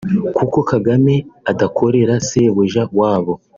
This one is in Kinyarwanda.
kuko Kagame adakorera sebuja wabo